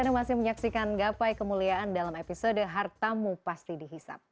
dan gapai kemuliaan dalam episode hartamu pasti dihisap